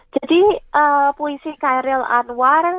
jadi puisi karyl anwar